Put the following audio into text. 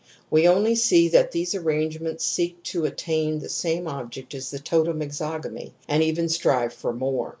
We only see that these arrangements seek to attain the same object as the totem exogamy, and even strive for more.